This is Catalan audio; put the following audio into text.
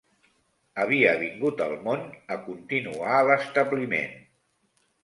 Havia vingut al món a continuar l'establiment